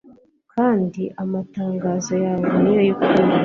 kandi amatangazo yawe ni yo y’ukuri